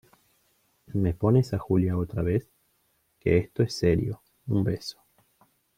¿ me pones a Julia otra vez? que esto es serio. un beso .